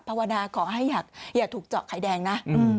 ภาวนาขอให้อย่าถูกเจาะไข่แดงนะ